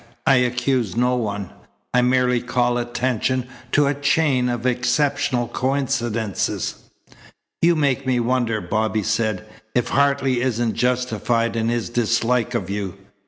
I accuse no one. I merely call attention to a chain of exceptional coincidences." "You make me wonder," Bobby said, "if Hartley isn't justified in his dislike of you.